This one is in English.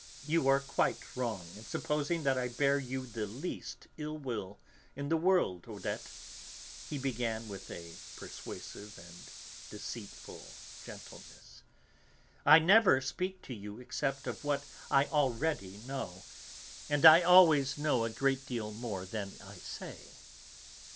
"You are quite wrong in supposing that I bear you the least ill will in the world, Odette," he began with a persuasive and deceitful gentleness. "I never speak to you except of what I already know, and I always know a great deal more than I say.